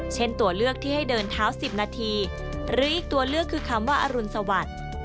เช่นตัวเลือกที่ให้เดินเท้า๑๐นาทีหรืออีกตัวเลือกคือคำว่าอรุณสวัสดิ์